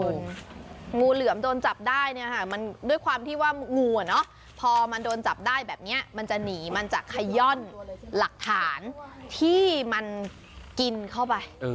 งูเหลือมโดนจับได้เนี่ยค่ะมันด้วยความที่ว่างูอ่ะเนอะพอมันโดนจับได้แบบนี้มันจะหนีมันจะขย่อนหลักฐานที่มันกินเข้าไป